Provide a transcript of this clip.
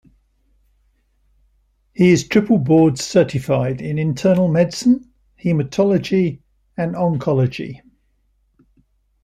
He is triple-board-certified in internal medicine, hematology and oncology.